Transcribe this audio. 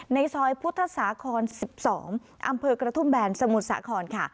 ในซอยพุทธศาคร๑๒อำเภอกระทุ่มแบนสมุทรสาครค่ะ